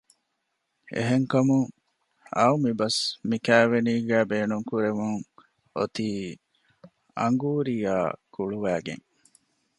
އެހެން ކަމުން އައު މިބަސް މިކައިވެނީގައި ބޭނުންކުރެވެން އޮތީ އަންގޫރީއާ ގުޅުވައިގެން